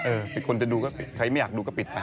เป็นคนจะดูก็ใครไม่อยากดูก็ปิดไป